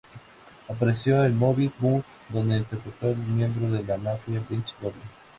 Apareció en "Movie Mob", donde interpretó el miembro de la mafia Brit doble.